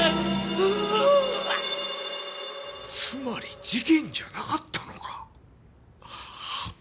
つまり事件じゃなかったのか！